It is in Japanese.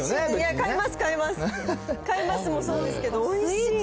おいしい。